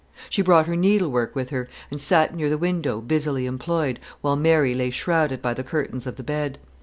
She brought her needlework with her, and sat near the window busily employed, while Mary lay shrouded by the curtains of the bed.